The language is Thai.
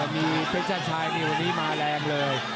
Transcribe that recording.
มีเพชรชาติชายในวันนี้มาแรงเลย